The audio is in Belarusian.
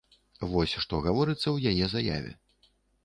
Вось што гаворыцца ў яе заяве.